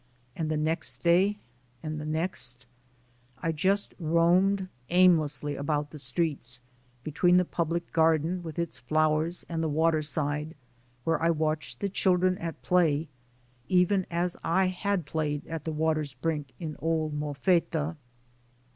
And the next day and the next. ... I just roamed aim lessly about the streets, between the Public Gar den with its flowers and the water side, where I watched the children at play, even as I had played at the water's brink in old Molfetta.